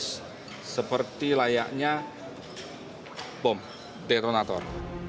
seperti layaknya bom detonator